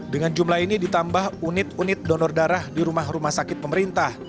dengan jumlah ini ditambah unit unit donor darah di rumah rumah sakit pemerintah